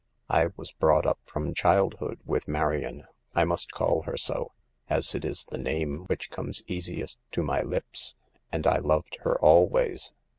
I was brought up from childhood with Marion — I must call her so, as it is the name which comes easiest to my lips— and I loved her always.